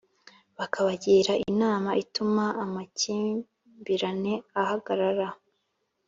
bakabagira inama ituma amakimbirane ahagarara